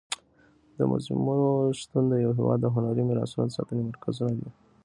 د موزیمونو شتون د یو هېواد د هنري میراثونو د ساتنې مرکزونه دي.